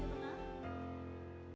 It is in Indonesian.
nanda rahma indra setiawan jakarta